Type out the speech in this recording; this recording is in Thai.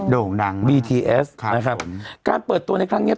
โด่งดังบีทีเอสครับนะครับผมการเปิดตัวในครั้งเนี้ย